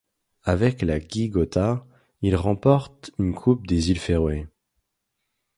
Avec le GÍ Gøta, il remporte une coupe des îles Féroé.